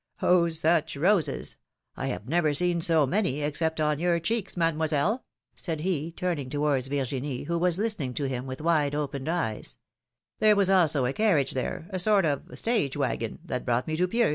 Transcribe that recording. Oh ! such roses ! I have never seen so many, except on your cheeks. Mademoi selle,'' said he, turning towards Virginie, who was listening to him with wide opened eyes; there was also a carriage there — a sort of stage wagon — that brought me to Pieux.